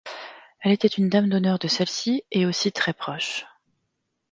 Elle était une dame d'honneur de celle-ci, et aussi très proches.